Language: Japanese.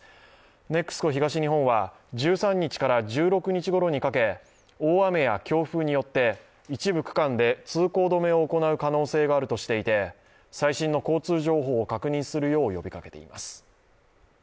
ＮＥＸＣＯ東日本は、１３日から１６日ごろにかけ大雨や強風によって一部区間で通行止めを行う可能性があるとしていて最新の交通情報を確認するよう呼びかけています。